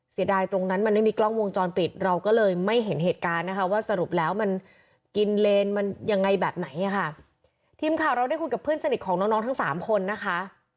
เสียดายตรงนั้นมันไม่มีกล้องวงจรปิดเราก็เลยไม่เห็นเหตุการณ์นะคะว่าสรุปแล้วมันกินเลนมันยังไงแบบไหนอ่ะค่ะทีมข่าวเราได้คุยกับเพื่อนสนิทของน้องน้องทั้งสามคนนะคะ